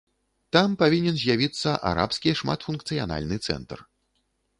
Там павінен з'явіцца арабскі шматфункцыянальны цэнтр.